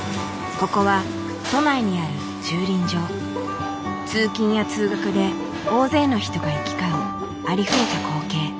ここは通勤や通学で大勢の人が行き交うありふれた光景。